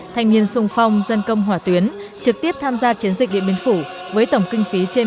thành viên xung phong dân công hòa tuyến trực tiếp tham gia chiến dịch địa biên phủ với tổng kinh phí trên một tỷ đồng